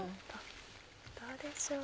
どうでしょう？